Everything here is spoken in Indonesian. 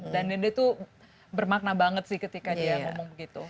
dan dia tuh bermakna banget sih ketika dia ngomong gitu